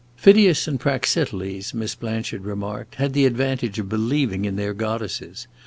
"Phidias and Praxiteles," Miss Blanchard remarked, "had the advantage of believing in their goddesses.